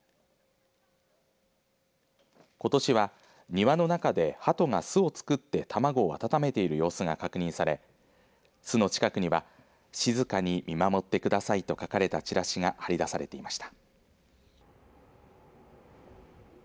ことしは庭の中ではとが巣を作って卵を温めている様子が確認され巣の近くには静かに見守ってくださいと書かれたチラシが貼り出されていました。